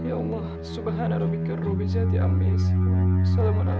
apakah aku harus mengatakannya kepada lukman sekarang